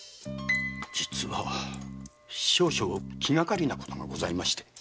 実は少々気がかりなことがございまして。